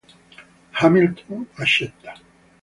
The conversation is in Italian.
Hamilton accetta.